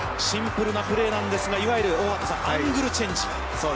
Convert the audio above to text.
シンプルなプレーなんですが、いわゆる大畑さん、アングルチェンジ。